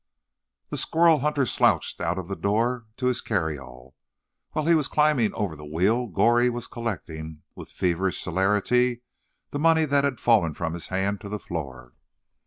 The squirrel hunter slouched out of the door to his carryall. While he was climbing over the wheel Goree was collecting, with feverish celerity, the money that had fallen from his hand to the floor.